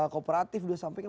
kooperatif sudah sampaikan